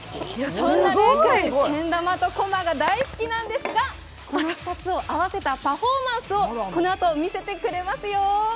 そんな礼君、けん玉とこまが大好きなんですが、この２つを合わせたパフォーマンスをこのあと見せてくれますよ。